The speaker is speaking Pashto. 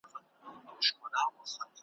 سره جمع کړي ټوټې سره پیوند کړي ,